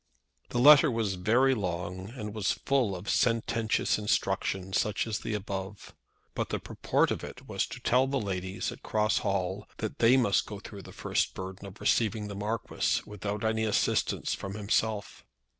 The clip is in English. The letter was very long, and was full of sententious instructions, such as the above. But the purport of it was to tell the ladies at Cross Hall that they must go through the first burden of receiving the Marquis without any assistance from himself.